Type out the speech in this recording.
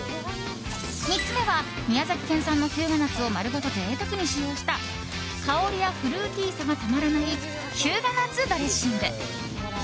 ３つ目は、宮城県産の日向夏を丸ごと贅沢に使用した香りやフルーティーさがたまらない、日向夏ドレッシング。